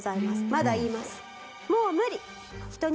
まだ言います。